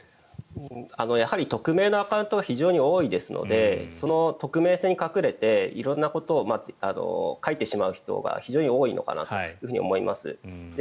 やはり匿名のアカウントが非常に多いですのでその匿名性に隠れて色んなことを書いてしまう人が非常に多いのかなと思います。